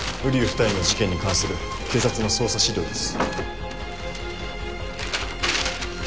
二重の事件に関する警察の捜査資料です